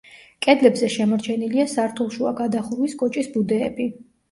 კედლებზე შემორჩენილია სართულშუა გადახურვის კოჭის ბუდეები.